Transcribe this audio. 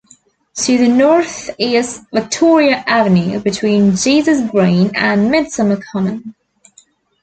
To the north is Victoria Avenue between Jesus Green and Midsummer Common.